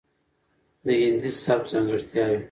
،دهندي سبک ځانګړتياوې،